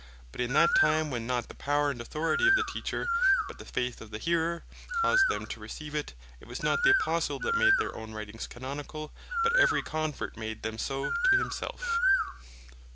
But in that time, when not the Power and Authority of the Teacher, but the Faith of the Hearer caused them to receive it, it was not the Apostles that made their own Writings Canonicall, but every Convert made them so to himself.